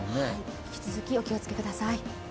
引き続きお気をつけください。